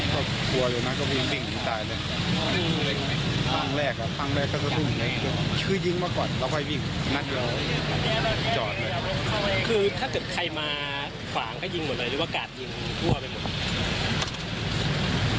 ก็ทั้งสองอย่างคือไม่มีใครมาขวางหรอกคือเขาไม่มีใครรู้